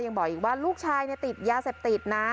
ยังบอกอีกว่าลูกชายติดยาเสพติดนะ